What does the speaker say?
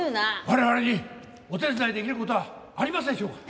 我々にお手伝いできる事はありますでしょうか？